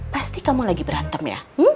pasti kamu lagi berantem ya